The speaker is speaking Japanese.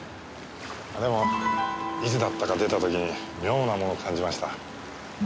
でもいつだったか出た時に妙なものを感じました。